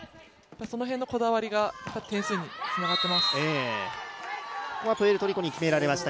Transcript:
その辺のこだわりが点数につながっています。